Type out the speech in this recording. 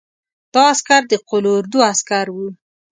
دا عسکر د قول اردو عسکر وو.